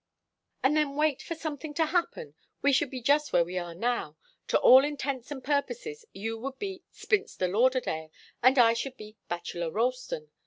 "And then wait for something to happen? We should be just where we are now. To all intents and purposes you would be Spinster Lauderdale and I should be Bachelor Ralston.